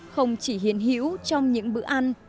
không chỉ hiến hữu trong những bữa ăn